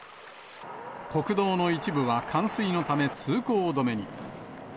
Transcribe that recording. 国道の一部は冠水のため通行止めに。